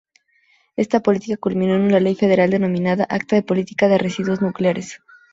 Esta política culminó en una ley federal denominada "Acta de política de residuos nucleares".